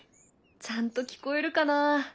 ちゃんと聞こえるかな？